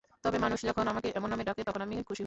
তবে মানুষ যখন আমাকে এমন নামে ডাকে, তখন আমি খুশি হই।